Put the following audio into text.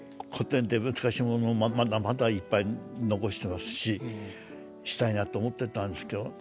古典って難しいものをまだまだいっぱい残してますししたいなと思ってたんですけど。